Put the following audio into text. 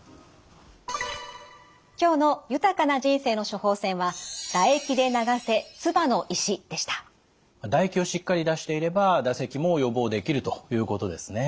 今日の「豊かな人生の処方せん」は唾液をしっかり出していれば唾石も予防できるということですね。